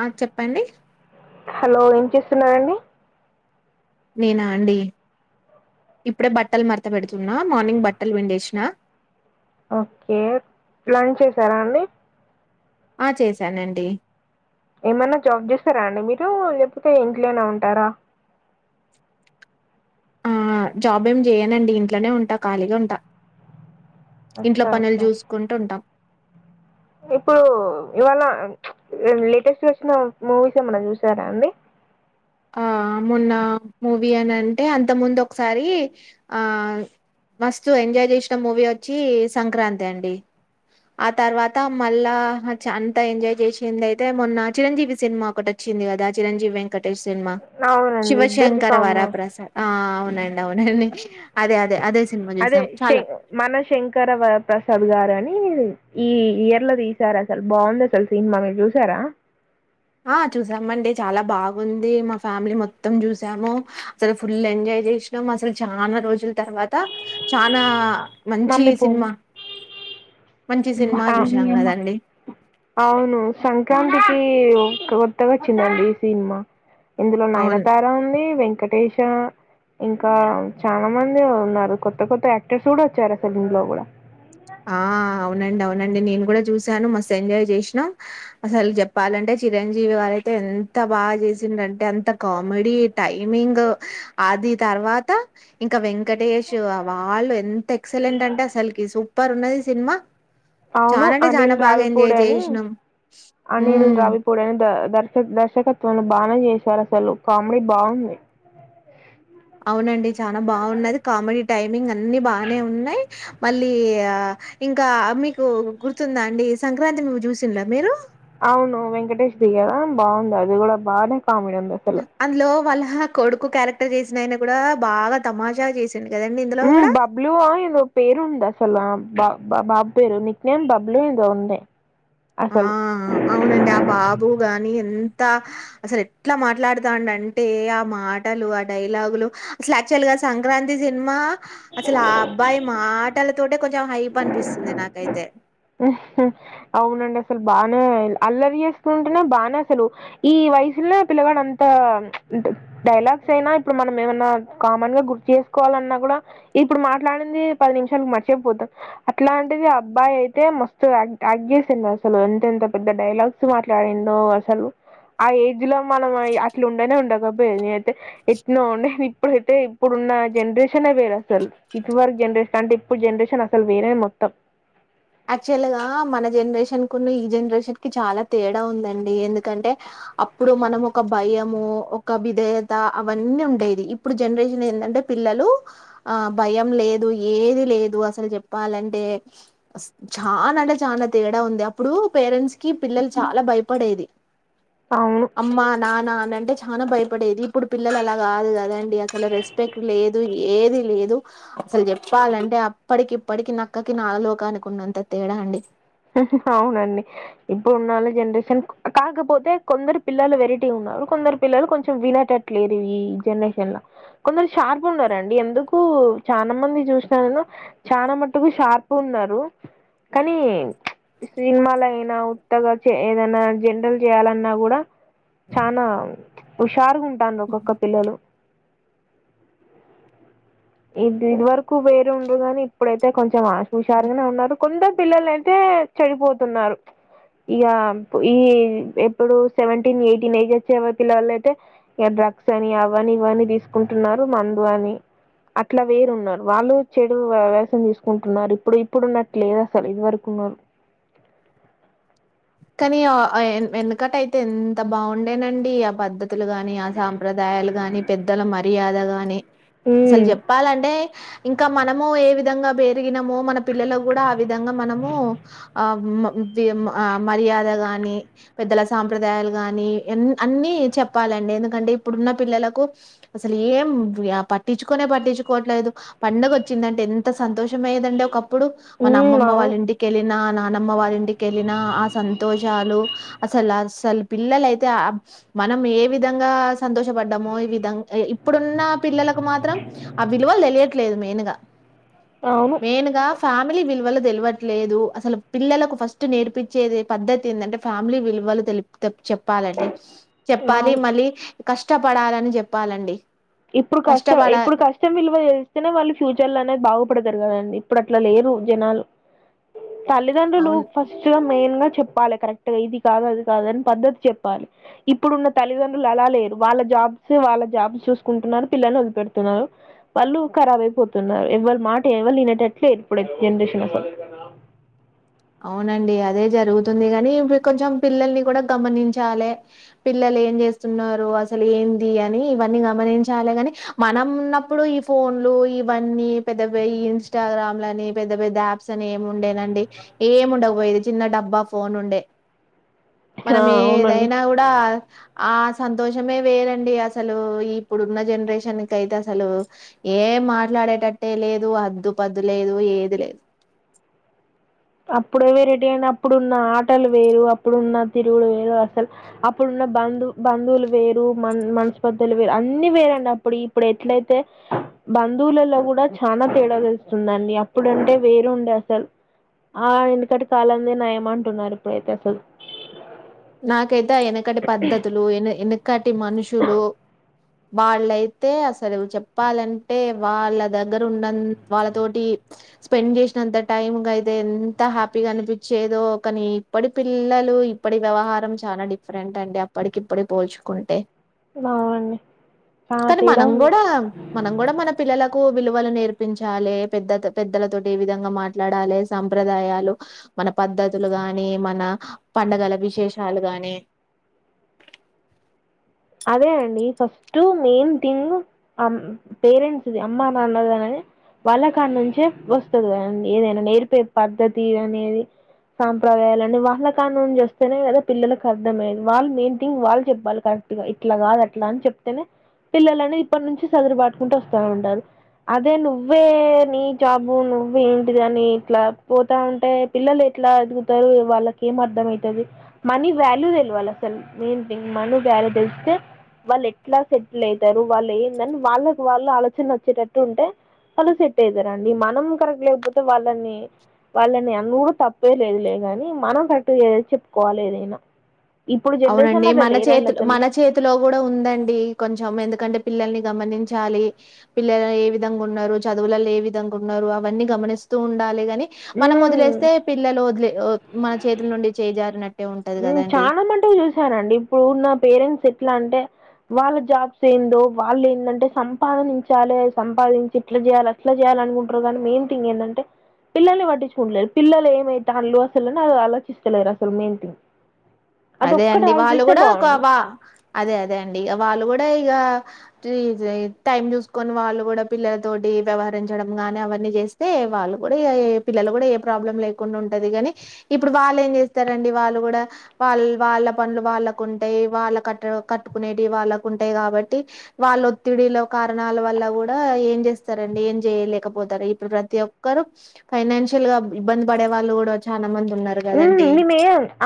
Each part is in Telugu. ఆ చెప్పండి హలో ఏం చేస్తున్నారండి నేనా అండి ఇప్పుడే బట్టలు మరత పెడుతున్నా మార్నింగ్ బట్టలు విండేసినా ఓకే లంచ్ చేసారా అండి ఆ చేశానండి ఏమైన్నా జాబ్ చేస్తారా అండి మీరు లేకపోతే ఇంట్లోనే ఉంటారా ఆ జాబ్ ఏం చేయనండి ఇంట్లోనే ఉంటా ఖాళీగా ఉంటా ఇంట్లో అచ్చా పనులు అచ్చా చూసుకుంటూ ఉంటాం ఇప్పుడు ఇవాళ లేటెస్ట్ వచ్చిన మూవీస్ ఏమన్నా చూసారా అండి ఆ మొన్న మూవీ అని అంటే అంత ముందు ఒకసారి ఆ మస్తుత్ ఎంజాయ్ చేసిన మూవీ వచ్చి సంక్రాంతి అండి ఆ తర్వాత మళ్ళా అంత ఎంజాయ్ చేసింది అయితే మొన్న చిరంజీవి సినిమా ఒకటి వచ్చిద కదా చిరంజీవి వెంకట్ సినిమా అవునండి ఇద్దరిది శివశంకర కాము వరాప్రసాద్ ఆ అవునండి అవునండి అదే అదే అదే సినిమా అదే చూసాం చాలా మన శంకర ప్రసాద్ గారని ఈ ఇయర్ లో తీసారా అసలు బాగుంది అసలు సినిమా మీరు చూసారా ఆ చూసామండి చాలా బాగుంది మా ఫ్యామిలీ మొత్తం చూసాము అసలు ఫుల్ ఎంజాయ్ చేసినాం అసలు చాలా రోజుల తర్వాత చనా మంచి మమ్మీ పో సినిమా మంచి సినిమా చూసాం కదండి అవును సంక్రాంతికి కొత్తగా చిందండి ఈ సినిమా ఇందులో అవును నయనతార ఉంది వెంకటేేశ ఇంకా చాలా మంది ఉన్నారు కొత్త కొత్త యాక్టర్స్ కూడా వచ్చారా సెలిమ్ లో కూడా ఆ అవునండి అవునండి నేను కూడా చూసాను మస్తు ఎంజాయ్ చేసినాం అసలు చెప్పాలంటే చిరంజీవి వారయితే ఎంత బాగా చేసింది అంటే అంత కామెడీ టైమింగ్ అది తర్వాత ఇంకా వెంకటేష్ వాళ్ళు ఎంత ఎక్సలెంట్ అంటే అసలుకి సూపర్ ఉంది సినిమా అవును అంటే అనిల్ చానా బాగా రావిపూడ ఎంజాయ్ అని జేసినాం. అనిల్ హ్మ్. రావిపూడ అని దర్శకుడు దర్శకత్వన్ని బానే చేశారు అసలు కామెడీ బాగుంది అవునండి చాలా బాగున్నది కామెడీ టైమింగ్ అన్ని బానే ఉన్నాయి మళ్ళీ ఇంకా మీకు గుర్తుందా అండి సంక్రాంతి చూసింలో మీరు అవును వెంకటేష్ దిగారా బాగుంది అది కూడా బాగానే కామెడీ ఉంది అసలు అందులో వాళ్ళ కొడుకు క్యారెక్టర్ చేసినాయన కూడా బాగా తమాషా చేసి బాబ్లుు ఏదో పేరు ఉందా అసలు బ బాబు పేరు నిక్ నేమ్ బబ్లు ఇది ఉంది ఆ అసలు అవునండి ఆ బాబు గాని అంత అసలు ఎట్లా మాట్లాడుతాండి అంటే ఆ మాటలు ఆ డైలాగులు అసలు యాక్చువల్ గా సంక్రాంతి సినిమా అసలు ఆ అబ్బాయి మాటలతోట కొంచెం హైప్ అనిపిస్తుంది నాకైతే అవునండి అసలు బాగానే అల్లరి చేసుకుంటేనే బాగానే అసలు ఈ వయసులో పిల్లవాడ అంత డైలాగ్స్ అయినా ఇప్పుడు మనం ఏమన్నా కామన్ గా గుర్తు చేసుకొని మాట్లాడాలన్నా కూడా ఇప్పుడు మాట్లాడింది పది నిమిషాలకు మర్చిపోతాం అట్లా అంటిది అబ్బాయి అయితే మస్తు యాక్ చేసిండ అసలు ఎంత ఎంత పెద్ద డైలాగ్స్ మాట్లాడిండో అసలు ఆ ఏజ్ లో మనం అట్లు ఉండనే ఉండదు బ నేనైతే ఎట్న ఉండే ఇప్పుడైతే ఇప్పుడున్న జనరేషన్ వేరు అసలు ఇదివరకు జనరేషన్ అంటే ఇప్పుడు జనరేషన్ అసలు వేరే మొత్తం యాక్చువల్ గా మన జనరేషన్ కున్న ఈ జనరేషన్ కి చాలా తేడా ఉందండి ఎందుకంటే అప్పుడు మనం ఒక భయము ఒక విధేయత అవన్నీ ఉండేది ఇప్పుడు జనరేషన్ ఏంటంటే పిల్లలు ఆ భయం లేదు ఏది లేదు అసలు చెప్పాలంటే చాలా అంట చాలా తేడా ఉంది అప్పుడు పేరెంట్స్ కి పిల్లలు చాలా భయపడేది అవును. అమ్మ నాన్న అంటే చా భయపడేది ఇప్పుడు పిల్లలు అలా కాదు కదండి అసలు రెస్పెక్ట్ లేదు ఏది లేదు అసలు చెప్పాలంటే అప్పటికి ఇప్పటికి నక్కకి నాలోకానికి ఉన్నంత తేడా అండి అవునండి ఇప్పుడు ఉన్నళ్ళ జనరేషన్ కాకపోతే కొందరు పిల్లలు వెరటీ ఉ కొందరు పిల్లలు కొంచెం వినటట్లేరు ఈ జనరేషన్ లో కొందరు షార్ప్ ఉండారండి ఎందుకు చాలా మంది చూసిన చాలనా మటుకు షార్ప్ ఉన్నారు కానీ సినిమాల అయినా ఉత్తగా ఏదైనా జంటలు చేయాలన్నా కూడా చనా హుషారు ఉంటను ఒక్కొక్క పిల్లలు ఇది ఇది వరకు వేరు ఉండరుగాని ఇప్పుడైతే కొంచెం ఆ హుషారుగానే ఉన్నారు కొంత పిల్లల అయితే అందుకే చెడిపోతున్నారు ఇక ఈ ఎప్పుడు సెవెంటీన్ ఎయిటీన్ ఎయిజ్ వచ్చేవరి పిల్లవాల అయితే ఇక డ్రగ్స్ అని అవని ఇవని తీసుకుంటున్నారు మందు అని అట్లా వేరు ఉన్నారు వాళ్ళు చెడు వేసం తీసుకుంటున్నారు ఇప్పుడు ఇప్పుడున్నట్టు లేదు అసలు ఇది వరకు ఉన్నోరు కానీ య ఆ ఎన్ వెనుకట అయితే ఎంత బాగుండేనండి ఆ పద్ధత్ భతులు గాని ఆ సాంప్రదాయాలు గాని పెద్దల మర్యాద గాని అసలు ఉమ్ చెప్పాలంటే ఇంకా మనము ఏ విధంగా పెరిగినమో మనము పిల్లలకు కూడా ఆ విధంగా మనము అమ్మ ది అమ్మ ఆ మర్యాద గాని పెద్దల సాంప్రదాయాలు గాని ఎన్ అన్ని చెప్పాలండి ఎందుకంటే ఇప్పుడు ఉన్న పిల్లలకు అసలు ఏం పట్టించుకనే పట్టించుకోవట్లేదు పండగ వచ్చిందంటే ఎన్ ఎంత సంతోషం అయ్యేదండి ఒకప్పుడు మన ఉమ్ అమ్మమ్మ అవును వాళ్ళింటికెళ్ళిన నానమ్మ వాళ్ళింటికెళ్ళినా అస్ సంతోషాలు అసలు అసలు పిల్లలు అయితే మనం ఏ విధంగా సంతోషం వడ్డమొ ఈ విధంగా ఇప్పుడున్న పిల్లలకు మాత్రం ఆ విలువలు తెలియట్లేదు మెయిన్ గా అవును మెయిన్ గా ఫ్యామిలీ విలువలు తెలువట్లేదు అసలు పిల్లలకు ఫస్ట్ నేర్పి చెదే పద్దతి ఏంది అంటే ఫ్యామిలీ విలువలు తెలుపు చెప్పాలండి చెప్పాలి అవును మళ్ళీ కష్టపడాలని చెప్పాలండి ఇప్పుడు కష్టం కష్టపడాలి ఇప్పుడు కష్టం విలువ తెలుస్తానే వాళ్ళు ఫ్యూచర్ లో అనేది బాగుపడతారు కదండి ఇప్పుడు అట్లా లేరు జనాలు తల్లిదండ్రులు అవును ఫస్ట్ గా మెయిన్ గా చెప్పాలి కరెక్ట్ గా ఇది కాదు అది కాదు అని పద్ధతి చెప్పాలి ఇప్పుడున్న తల్లిదండ్రులు అలా లేరు వాళ్ళకు జెప్ జాబ్సి వాళ్ల జాబ్ చూసు కుంటున్నారు పిల్లని వదిలి పెడుతున్నారు వాళ్ళు ఖరాబ్ అయిపోతున్నారు ఎవ్వలు మాట ఎవ్వలు ఇనేటట్టు లేరు ఇపుడు జనరేషన్ నాప అవునండి అదే జరుగుతుంది కానీ ఇప్పుడు కొంచెం పిల్లల్ని కూడా గమనించాలే పిల్లలు లే ఏం చేస్తున్నారు అసలు ఏంది అని ఇవన్నీ గమనించాలి గాని మనం ఉన్నప్పుడు ఈ ఫోన్ లు ఇవన్నీ పెద్ద పె ఇన్స్టాగ్రామ్ ని పెద్ద పెద్ద యాప్స్ అని ఏమి ఉండేనండి ఏమ్ ఉండకా పోయేది చిన్న డబ్బా ఫోన్ ఉండే ఆ మనం అవునండి ఏదైనా కూడా ఆ సంతోషమే వేర్ అండి అసలు ఇప్పుడున్న జనరేషన్ కు అయితే అసలు ఏ మాట్లాడటట్టే లేదు హద్దు పద్దు లేదు ఏది లేదు అప్పుడే వేరేటి అయినా అప్పుడున్న ఆటలు వేరు అప్పుడున్న తిరుగుడు వేరు అసలు అప్పుడున్నప్ బంధు బంధువులు వేరు మన్ మనస్పర్దాలు వేరు అన్ని వేరండి అప్పుడు ఇప్పుడు ఎట్లా అయితే బంధువులలో కూడా చానా తేడా తెలుస్తుందండి అప్పుడు అంటే వేరు ఉండే అసలు ఆ ఎనుకటి కాలంది నయమ్ అంటున్నారు ఇప్పుడైతే అసలు నాకైతే వెనకటి పద్ధతులు వెనకటి మనుషులు వాళ్లయితే అసలు చెప్పాలంటే వాళ్ళ దగ్గర ఉన్న వాళ్ళతోటి స్పెండ్ చేసినంత టైం కు అయితే ఎంత హ్యాపీగా అనిపించేదో కానీ ఇప్పటి పిల్ల తాలు ఇప్పటి వ్యవహారం చాలా డిఫరెంట్ అండి అప్పటికి ఇప్పడికి పోల్చుకుంటే అవునండి చాలా కానీ తేడా మనం ఉంది కూడా మనం కూడా మన పిల్లలకు విలువలు నేర్పించాలే పెద్ద పెద్దలతోటి ఏ విధంగా మాట్లాడాలి సాంప్రదాయాలు మనప్ పద్ధతులు గాని మన పండుగల విష విశేషాలుగానే అదే అండి ఫస్ట్ మెయిన్ థింగ్ ఆ పెరెంట్ ది అమ్మ నాన్న దానని వాళ్ళకాడ నుంచే వస్తది కదా అండి ఏదైనా నేర్పే పద్ధతి అనేది సాంప్రదయాల అని వాళ్ళ కాను నుంచి వస్తేనే కదా పిల్లలకు అర్థమాయేది వాళ్ళ మెయిన్ థింగ్ వాళ్ళు చెప్పాలి కరన్ ఇట్లా కాదు అట్లా అని చెప్తేనే పిల్లలని ఇప్పటి నుంచి సదురు పటుకుంటూ వస్తనే ఉంటారు అదే నువ్వే నీ జాబు నువ్వే ఏంటిది అని ఇట్లా పోతా ఉంటే పిల్లలే ఎట్లా ఎదుగుతారు వాళ్ళకి ఏం అర్ధం అయితది అవుతుంది మనీ వాల్యూ తెలువాలు అసలు మెయిన్ థింగ్ మనీ గ్యారేట్ తెలుస్తే వాళ్ళు ఎట్లా సెటిల్ అయితారు వాళ్ళు ఏంది అని వాళ్ళకు వాళ్ళు ఆలోచన వచ్చేటట్టు ఉంటే ఆలు సెట్ అయితారుండి మనం కరెక్ట్ లేకపోతే వాళ్ళని వాళ్ళని అనువుడు కూడా తప్పే లేదు లేగాని మనం కట్టు ఏద చెప్పుకోవాలి ఏదైనా ఇప్పుడు అవునండి జనరేషన్లో అట్లా మన లేరండి చేతిలు అసలు మన చేతి లో కూడా ఉందండి కొంచెం ఎందుకంటే పిల్లల్ని గమనించాలి పిల్లలు ఏ విధంగా ఉన్నరు చదువులలో ఏ విధంగా ఉన్నారు అవన్నీ గమనిస్తూ ఉండాలి కానీ మనం మ్మ్ వదిలేస్తే పిల్లలు వదిలే మన చేతుల నుండి చేజారినట్టు ఉం చాలా మట్టుకు చూసారండి ఇప్పుడు నా పేరెంట్స్ ఎట్లా అంటే వాళ్ళ జాబ్స్ ఏందో వాళ్ళు ఏందంటే సంపాదించాలి సంపాదించి ఇట్లా చేయాలి అట్లా చేయాలి అనుకుంటారు కానీ మెయిన్ తింగ్ ఎందంటే పిల్లల్ని పట్టించుకుంటులేరు పిల్లలు ఏమయితాళ్ళు అసలుని ఆలోచిస్తలేరు అసలు మెయిన్ థింగ్ అదే అదొక్కటి అండి వాళ్ళు ఆలోచిస్తే కూడా బావుండు. వా అదే అదే అండి ఇక వాళ్ళు కూడా ఇగ టైం చూసుకోని వాళ్ళు కూడా పిల్లల తోటి వ్యవహరించడం గాని అవన్నీ చే చేస్తే వాళ్ళు కూడా ఇగ పిల్లలు కూడా ఏ ప్రాబ్లం లేకుండా ఉంటది గానీ ఇప్పుడు వాళ్ళు ఏం చేస్తారండి వా వాళ్ళు కూడా వాళ్ళ వాళ్ళ పనులు వాళ్ళకు ఉంటాయి వాళ్ళ కట్ట కట్టుకునేవి వాళ్ళకు ఉంటాయి కాబట్టి వాళ్ళ ఒత్తిడిల కారణాల వల్ల కూడా ఏం చేస్తారండి ఏం చేయలేకపోతారు ఇప్పుడు ప్రతి ఒక్కరు ఫైనాన్షియల్ గా ఇబ్బంది పడే వాళ్ళు కూడా చాలా మంది ఉన్నారు కదండి ఉం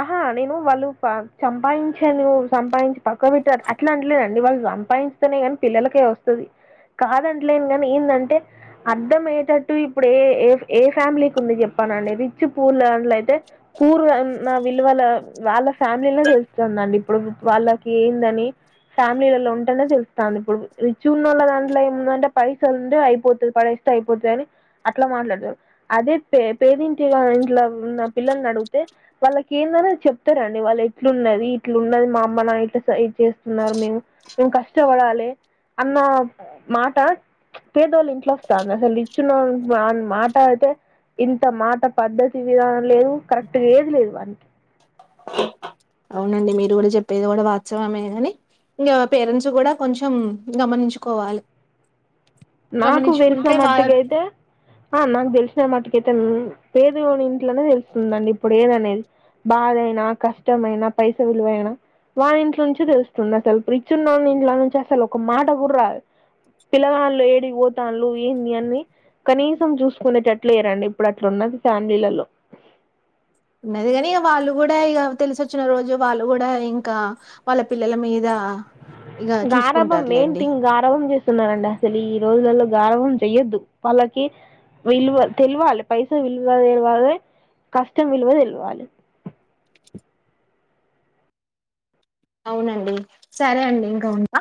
ఆహా నేను వాళ్ళు సంపాదించాను నువ్వు [unintelligible] సంపాదించి పక్కకి పెట్టారు అట్లా అంటలేదండి వాళ్ళు సంపాదింస్తే నే కానీ పిల్లలకే వస్తది కాదంటలేను కాని ఏందంటే అర్ధంయ్యేటట్టు ఇప్పుడు ఏ ఏ ఏ ఫ్యామిలీకి ఉంది చెప్ పనండి రిచ్చి పూలుట్ల అయితే [unintelligible] పూర్ న విలువల వాళ్ళ ఫ్యామిలీనే తెలుస్తుందండి ఇప్పుడు వాళ్ళకి ఏందని ఫ్యామిలీలలో ఉంటేనే తెలుతాంది ఇప్పుడు రిచ్ గ ఉన్నోల్ల దాంట్లో ఏందంటే పైసలు ఉండే అయిపోతుంది పాడే అయిపోతు అని అట్లా మాట్లాడతారు అదే పే పేదింటి ఇంట్లో ఉన్న పిల్లల్ని అడిగితే వాళ్ళకి ఏందని చెప్తారండి వాళ్ళు ఎట్లున్నది ఇట్లు ఉన్నది మా అమ్మ నా ఇ చేస్తున్నారు మేము మేము కష్టపడాలి అన్న మాట పేదోళ్ళు ఇంట్లో వస్తంది అసలు ఇచ్చిన అ మాట అయితే ఇంత మాట పద్ధతి విధానం లేదు కరెక్ట్గా ఏది లేదు వానికి అవునండి మీరు కూడా చెప్పేది కూడా వాస్తవమే కాని ఇంగ పేరెంట్స్ కూడా కొంచెం గమనించుకోవాలి నాకు వెలిసిన గమనించుకుంటే వాళ్ళ మట్టుక అయితే ఆ నాకు తెలిసిన మట్టుకైతే పేదోని ఇంట్లోనే తెలుస్తుందండి ఇప్పుడు ఏదనేది బాధైనా కష్టమయినా పైస విలువైనా వాని ఇంట్లో నుంచి తెలుస్తుంది అసలు రిచ్ ఉన్న ఇంట్లో నుంచి అసలు ఒక మాట గూడ రాదు పిల్ల గాల్లు ఎడికిపోతాల్లు ఏంది ఈ అన్నీ కనీసం చూసుకునేటట్లు లేరండి ఇప్పుడు అట్లు ఉన్నది ఫ్యామిలీలల్లో ఉన్నది కాని ఇక వాళ్ళు కూడా ఇగ తెలిసొచ్చిన రోజు వాళ్ళు కూడా ఇంక వాళ్ళ పిల్లల మీద ఆ గారాభం మెయిన్ థింగ్ గారభం చేస్తున్నారండి అసలు ఈ రోజులలో గారాబం చెయ్యొద్దు వాళ్ళకి విలువ తెలివాలి పైసా విలువ తెలవాలి కష్టం విలువ తెల్వాలి అవునండి సరే అండి ఇంక ఉంటా